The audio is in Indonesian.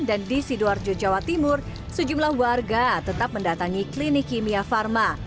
dan di sidoarjo jawa timur sejumlah warga tetap mendatangi klinik kimia pharma